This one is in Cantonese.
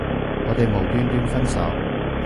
你哋無端端分手